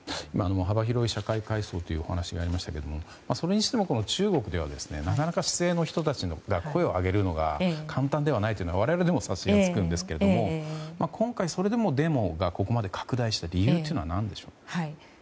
幅広い社会階層というお話がありましたがそれにしても中国ではなかなか人たちが声を上げるのが簡単ではないということを私たちも察しがつくんですが今回それでもデモがここまで拡大した理由は何でしょうか。